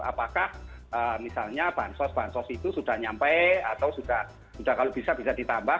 apakah misalnya bahan sos bahan sos itu sudah nyampe atau sudah kalau bisa bisa ditambah